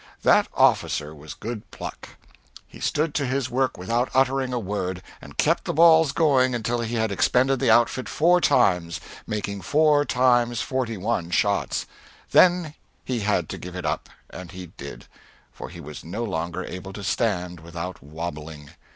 That officer was good pluck. He stood to his work without uttering a word, and kept the balls going until he had expended the outfit four times, making four times forty one shots; then he had to give it up, and he did; for he was no longer able to stand without wobbling.